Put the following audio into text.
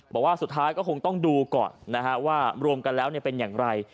บอกว่าสุดท้ายก็คงต้องดูก่อนนะฮะว่ารวมกันแล้วเป็นอย่างไร